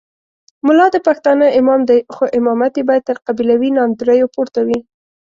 ملا د پښتانه امام دی خو امامت یې باید تر قبیلوي ناندریو پورته وي.